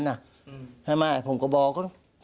ใช่ไหมผมก็บอก